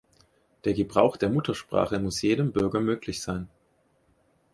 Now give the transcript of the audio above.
Der Gebrauch der Muttersprache muss jedem Bürger möglich sein.